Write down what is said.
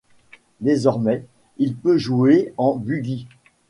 Désormais, il peut jouer… en buggy.